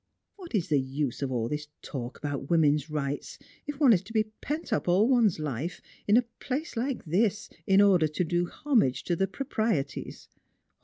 What is the use of all this talk about women's rights if one is to be pent up all one's life in a f)lace like this in order to do homage to the jDroprieties